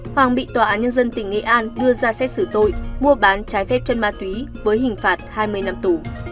hoàng bị tòa án nhân dân tỉnh nghệ an đưa ra xét xử tội mua bán trái phép chân ma túy với hình phạt